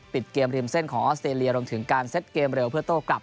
ปิดเกมริมเส้นของออสเตรเลียรวมถึงการเซ็ตเกมเร็วเพื่อโต้กลับ